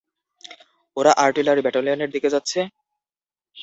ওরা আর্টিলারি ব্যাটালিয়নের দিকে যাচ্ছে!